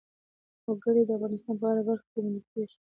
وګړي د افغانستان په هره برخه کې موندل کېږي.